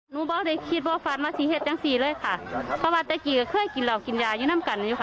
เงินเท่าไหร่รู้ไหม